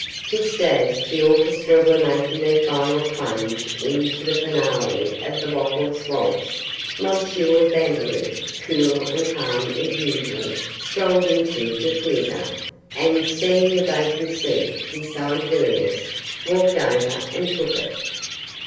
Just as the orchestra were making their final plunge into the finale of the 'Wopples' Waltz', M. Vandeloup, cool and calm as usual, strolled into the theatre, and, seeing a vacant seat beside Villiers, walked over and took it.